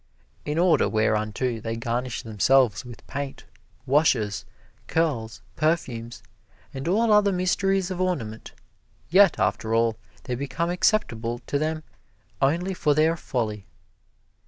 In order whereunto they garnish themselves with paint, washes, curls, perfumes, and all other mysteries of ornament; yet, after all, they become acceptable to them only for their Folly.